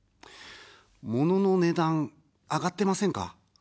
モノの値段、上がってませんか。